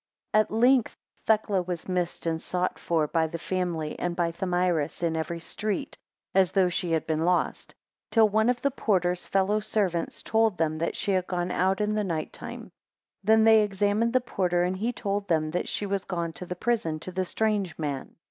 AT length Thecla was missed and sought for by the family and by Thamyris in every street, as though she had been lost; till one of the porter's fellow servants told them, that she had gone out in the night time. 2 Then they examined the porter, and he told them, that she was gone to the prison to the strange man.